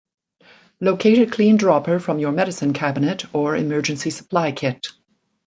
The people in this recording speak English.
Locate a clean dropper from your medicine cabinet or emergency supply kit.